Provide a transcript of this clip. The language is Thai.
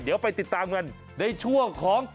เดี๋ยวไปติดตามกันในช่วงของ